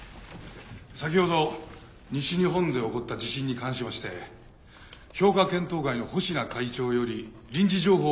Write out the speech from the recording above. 先ほど西日本で起こった地震に関しまして評価検討会の保科会長より臨時情報をお伝えします。